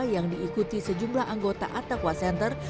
yang diikuti sejumlah anggota atakwa center